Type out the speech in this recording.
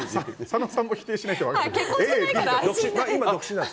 佐野さんも否定しなきゃ。